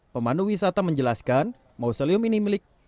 pemanu wisata menjelaskan mausolium ini milik